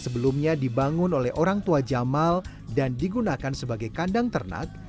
sebelumnya dibangun oleh orang tua jamal dan digunakan sebagai kandang ternak